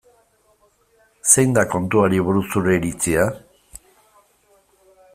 Zein da kontuari buruz zure iritzia?